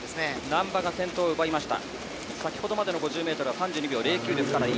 難波が先頭を奪いました。